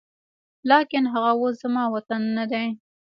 لاکن هغه اوس زما وطن نه دی